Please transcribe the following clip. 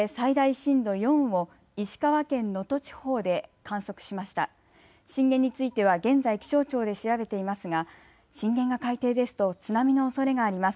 震源については現在、気象庁で調べていますが震源が海底ですと津波のおそれがあります。